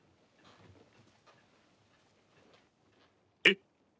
えっ？